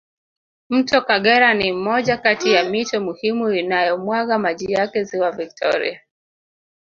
Mto kagera ni moja Kati ya mito muhimu inayo mwaga maji yake ziwa victoria